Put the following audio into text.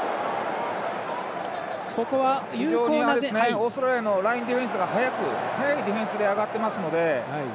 オーストラリアのラインディフェンスが速いディフェンスで上がってますので。